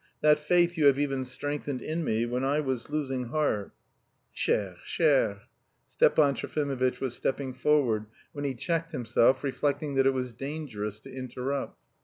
That faith you have even strengthened in me when I was losing heart." "Chère, chère." Stepan Trofimovitch was stepping forward, when he checked himself, reflecting that it was dangerous to interrupt.